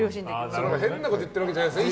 変なこと言ってるわけじゃないですね。